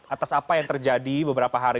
atas apa yang terjadi beberapa hari